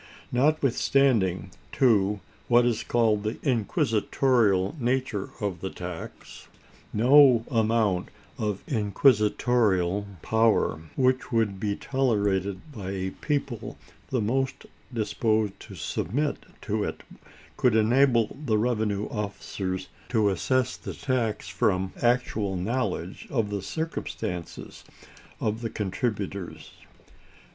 Notwithstanding, too, what is called the inquisitorial nature of the tax, no amount of inquisitorial power which would be tolerated by a people the most disposed to submit to it could enable the revenue officers to assess the tax from actual knowledge of the circumstances of contributors.